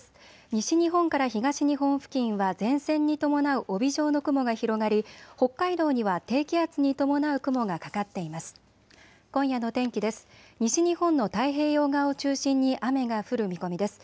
西日本から東日本付近は前線に伴う帯状の雲が広がり北海道には低気圧に伴う雲がかかっています。